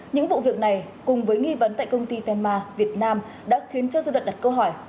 những vụ việc này cùng với nghi vấn tại công ty tenma việt nam đã khiến cho dư luận đặt câu hỏi